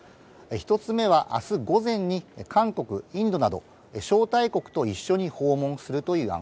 １つ目は、あす午前に韓国、インドなど、招待国と一緒に訪問するという案。